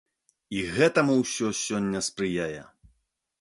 І гэтаму ўсё сёння спрыяе.